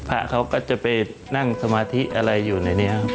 พระเขาก็จะไปนั่งสมาธิอะไรอยู่ในนี้ครับ